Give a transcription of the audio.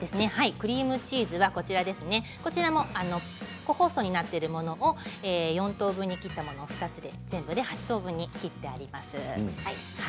クリームチーズは個包装になっているものを４等分に切ったものを２つ全部で８等分にしてあります。